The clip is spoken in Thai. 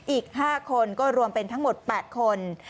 อีก๕คนก็รวมเป็นทั้งหมด๘คน